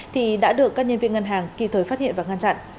thì đã được các nhân viên ngân hàng kịp thời phát hiện và ngăn chặn